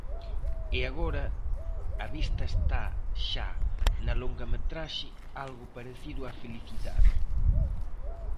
E agora, a vista está xa na longametraxe Algo parecido á felicidade.